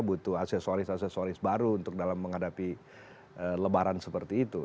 butuh aksesoris aksesoris baru untuk dalam menghadapi lebaran seperti itu